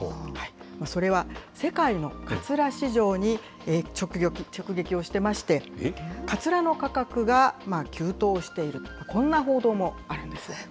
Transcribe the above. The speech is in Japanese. それは、世界のかつら市場に直撃をしてまして、かつらの価格が急騰していると、こんな報道もあるんです。